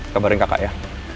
kabarin kakak ya